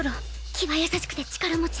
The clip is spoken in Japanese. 気は優しくて力持ち。